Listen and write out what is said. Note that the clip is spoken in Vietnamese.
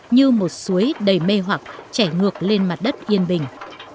như một suối đầy mê hoặc chảy ngược lên mặt đất yên bình